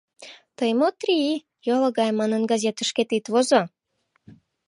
Тый, мотри, йолагай манын, газетышкет ит возо!